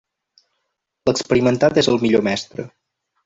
L'experimentat és el millor mestre.